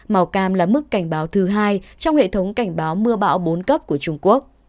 màu cam là mức cảnh báo thứ hai trong hệ thống cảnh báo mưa bão bốn cấp của trung quốc